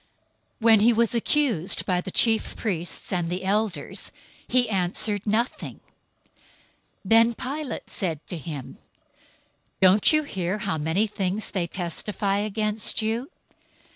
027:012 When he was accused by the chief priests and elders, he answered nothing. 027:013 Then Pilate said to him, "Don't you hear how many things they testify against you?"